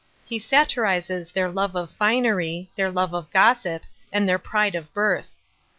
He satirizes their love of finery, their love of gossip, and their pride of birth.